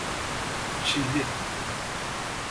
Çilli.